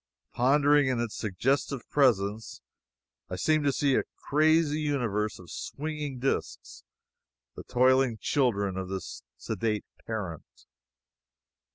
Pondering, in its suggestive presence, I seemed to see a crazy universe of swinging disks, the toiling children of this sedate parent.